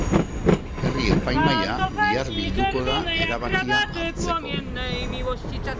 Herri-epaimahaia bihar bilduko da erabakia hartzeko.